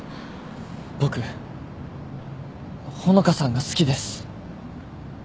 僕穂香さんが好きです。